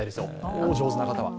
お上手な方は。